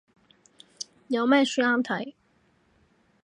有咩書啱睇